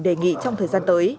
đề nghị trong thời gian tới